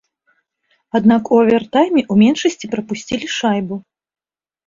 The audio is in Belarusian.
Аднак у авертайме ў меншасці прапусцілі шайбу.